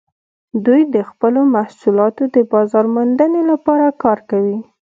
دوی د خپلو محصولاتو د بازارموندنې لپاره کار کوي